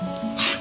あ！